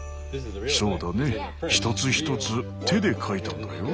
そうだね一つ一つ手で描いたんだよ。